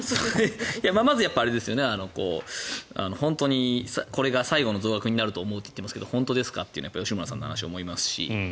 まず、本当にこれが最後の増額になると思うと言っていますが本当ですか？というのは吉村さんの話は思いますし